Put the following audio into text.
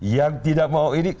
yang tidak mau ini